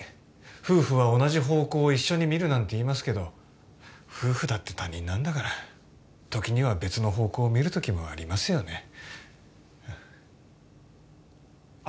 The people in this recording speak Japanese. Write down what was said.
夫婦は同じ方向を一緒に見るなんて言いますけど夫婦だって他人なんだから時には別の方向を見るときもありますよねああ